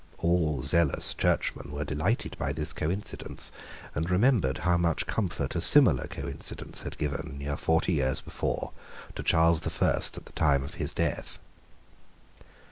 All zealous Churchmen were delighted by this coincidence, and remembered how much comfort a similar coincidence had given, near forty years before, to Charles the First at the time of his death.